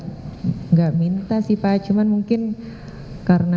tidak minta sih pak cuman mungkin karena